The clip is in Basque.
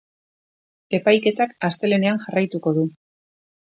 Epaiketak astelehenean jarraituko du.